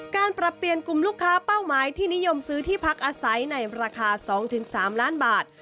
การปรับเปลี่ยนกลุ่มลูกค้าเป้าหมายที่นิยมซื้อที่พักอาศัยในราคา๒๓ล้านบาท